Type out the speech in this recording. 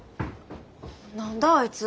何だあいつ。